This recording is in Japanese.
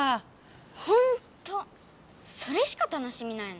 ほんっとそれしか楽しみないの？